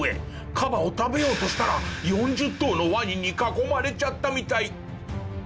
カバを食べようとしたら４０頭のワニに囲まれちゃったみたい。